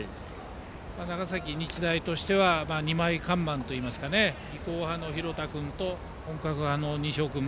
長崎日大としては２枚看板といいますか技巧派の廣田君と本格派の西尾君。